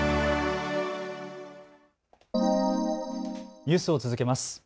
ニュースを続けます。